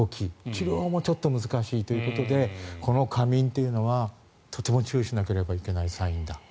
治療もちょっと難しいということで過眠というのはとても注意しなければいけないサイン。